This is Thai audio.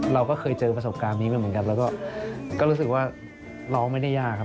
เราก็เคยเจอประสบการณ์นี้มาเหมือนกันแล้วก็รู้สึกว่าร้องไม่ได้ยากครับ